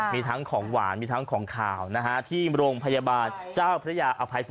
มีทั้งของหวานมีทั้งของขาวที่โรงพยาบาลเจ้าพระยาอภัย